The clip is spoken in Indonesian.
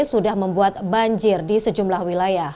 sudah membuat banjir di sejumlah wilayah